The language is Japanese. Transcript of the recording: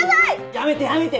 やめてやめて！